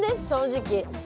正直。